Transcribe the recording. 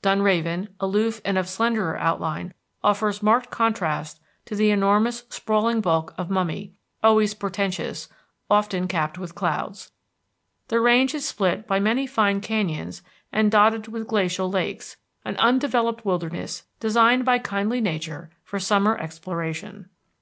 Dunraven, aloof and of slenderer outline, offers marked contrast to the enormous sprawling bulk of Mummy, always portentous, often capped with clouds. The range is split by many fine canyons and dotted with glacial lakes, an undeveloped wilderness designed by kindly nature for summer exploration.